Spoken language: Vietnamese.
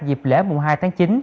dịp lễ mùa hai tháng chín